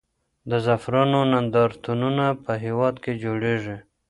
د زعفرانو نندارتونونه په هېواد کې جوړېږي.